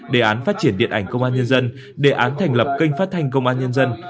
đề án phát triển điện ảnh công an nhân dân đề án thành lập kênh phát thanh công an nhân dân